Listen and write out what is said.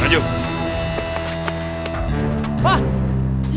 udah pak gausah pak